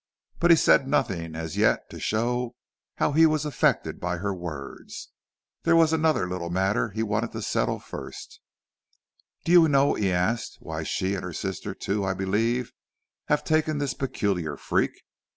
But he said nothing as yet to show how he was affected by her words. There was another little matter he wanted settled first. "Do you know," he asked, "why she, and her sister, too, I believe, have taken this peculiar freak?